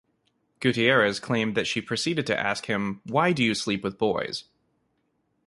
Gutierrez claimed that she proceeded to ask him Why do you sleep with boys?